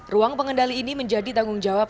ruang pengendali ini menjadi tanggung jawab